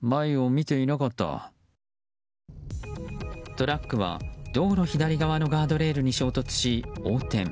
トラックは道路左側のガードレールに衝突し、横転。